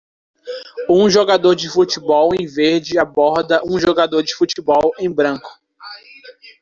Um jogador de futebol em verde aborda um jogador de futebol em branco